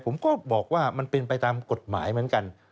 ผมก็บอกว่ามันเป็นไปตามกฎหมายเหมือนกัน